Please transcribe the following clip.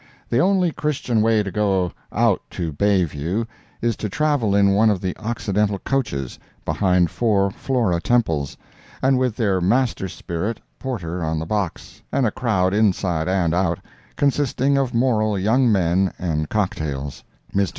The only Christian way to go out to Bay View, is to travel in one of the Occidental coaches, behind four Flora Temples, and with their master spirit, Porter, on the box, and a crowd inside and out, consisting of moral young men and cocktails. Mr.